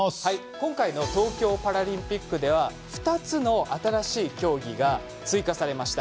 今回の東京パラリンピックでは２つの新しい競技が追加されました。